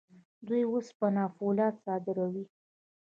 دوی وسپنه او فولاد صادروي.